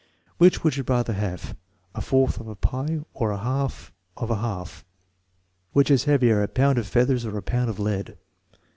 '* "Which would you rather have, a fourth of a pie, or a half of a half? "" Which is heavier, a pound of feathers or a pound of lead?